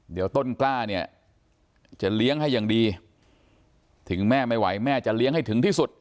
เดี๋ยวต้นกล้าเนี่ยจะเลี้ยงให้อย่างดีถึงแม่ไม่ไหวแม่จะเลี้ยงให้ถึงที่สุด